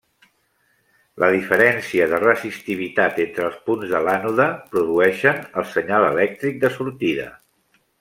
La diferència de resistivitat entre els punts de l'ànode produeixen el senyal elèctric de sortida.